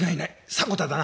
迫田だな。